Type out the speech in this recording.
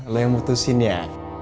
lu yang putusin ya